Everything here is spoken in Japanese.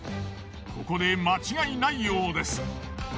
ここで間違いないようです。